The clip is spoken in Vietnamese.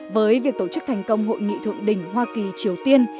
với việc tổ chức thành công hội nghị thượng đỉnh hoa kỳ triều tiên